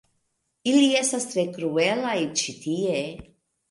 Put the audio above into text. Ili estas tre kruelaj ĉi tie